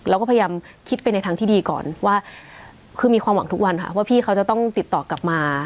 เราก็พยายามคิดไปในทางที่ดีก่อนว่าคือมีความหวังทุกวันค่ะว่าพี่เขาจะต้องติดต่อกลับมา